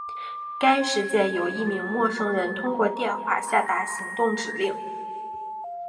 该事件由一名陌生人通过电话下达行动指令。